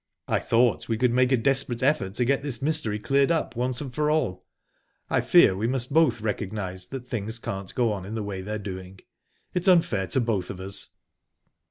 "I thought we could make a desperate effort to get this mystery cleared up, once for all...I fear we must both recognise that things can't go on in the way they're doing. It's unfair to both of us."